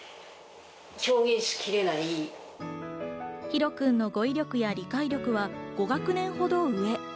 ヒロくんの語彙力や理解力は５学年ほど上。